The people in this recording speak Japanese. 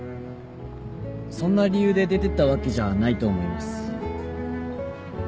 そんな理由で出てったわけじゃないと思います